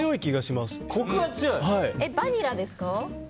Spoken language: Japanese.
バニラですか？